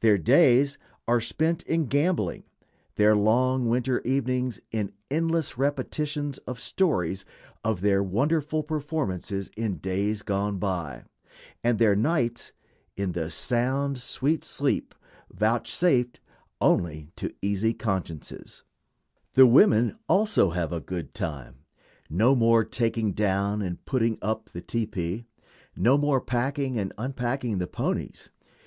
Their days are spent in gambling, their long winter evenings in endless repetitions of stories of their wonderful performances in days gone by, and their nights in the sound, sweet sleep vouchsafed only to easy consciences. [Illustration: A REDSKIN SCOUT.] The women also have a good time. No more taking down and putting up the tepee; no more packing and unpacking the ponies.